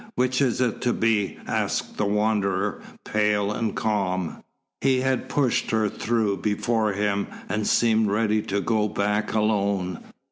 "Which is it to be?" asked the Wanderer, pale and calm. He had pushed her through before him and seemed ready to go back alone.